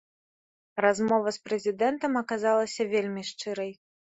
Размова з прэзідэнтам аказалася вельмі шчырай.